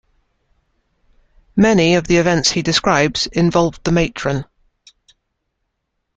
Many of the events he describes involved the matron.